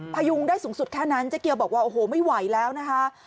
พยุงได้สูงสุดแค่นั้นเจ๊เกียวบอกว่าโอ้โหไม่ไหวแล้วนะคะ